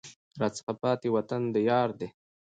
راڅخه پاته وطن د یار دی